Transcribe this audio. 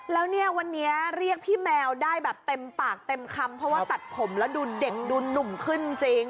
แล้วเนี่ยวันนี้เรียกพี่แมวได้แบบเต็มปากเต็มคำเพราะว่าตัดผมแล้วดูเด็กดูหนุ่มขึ้นจริง